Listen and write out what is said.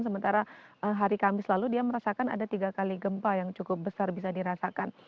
sementara hari kamis lalu dia merasakan ada tiga kali gempa yang cukup besar bisa dirasakan